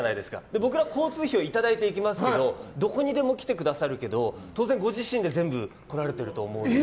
僕らは交通費をいただいて行きますけどどこにでも来てくださるけど当然、ご自身で全部来られていると思うので。